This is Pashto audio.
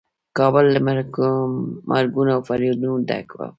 کابل له مرګونو او فریادونو ډک و.